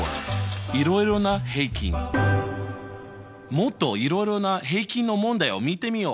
もっといろいろな平均の問題を見てみよう！